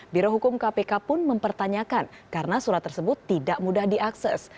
birohukum kpk pun mempertanyakan karena surat tersebut tidak mudah diakses